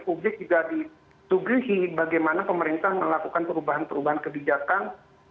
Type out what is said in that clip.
publik juga ditugihi bagaimana pemerintah melakukan perubahan perubahan kebijakan